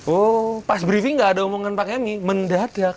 oh pas briefing nggak ada omongan pakai mie mendadak